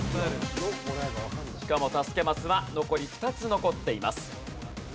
しかも助けマスは残り２つ残っています。